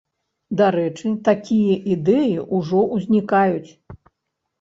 Дарэчы, такія ідэі ўжо ўзнікаюць.